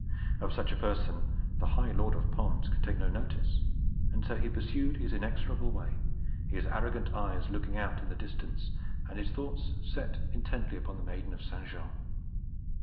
Of such a person the high Lord of Pons could take no notice, and so he pursued his inexorable way, his arrogant eyes looking out into the distance and his thoughts set intently upon the maiden of St. Jean.